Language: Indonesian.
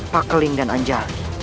pak keling dan anjali